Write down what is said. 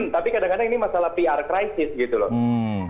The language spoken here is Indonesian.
tapi kadang kadang ini masalah pr krisis gitu loh